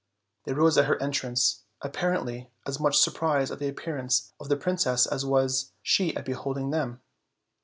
They rose at her entrance, apparently as much surprised at the appearance of the princess as was she at beholding them.